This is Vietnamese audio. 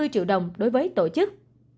hai mươi triệu đồng đối với tổ chức